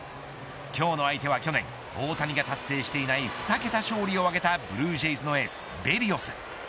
今日の相手は去年大谷が達成していない２桁勝利を挙げたブルージェイズのエースベリオス。